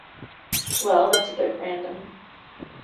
Well, that's a bit random!.